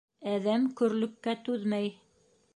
Әҙәм көрлөккә түҙмәй.